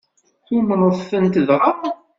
Tumneḍ-tent dɣa?